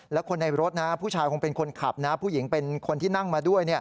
แล้วคนในรถนะผู้ชายคงเป็นคนขับนะผู้หญิงเป็นคนที่นั่งมาด้วย